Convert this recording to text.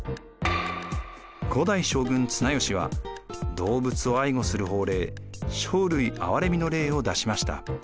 ５代将軍・綱吉は動物を愛護する法令生類憐みの令を出しました。